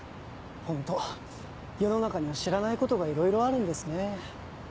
ホント世の中には知らないことがいろいろあるんですね。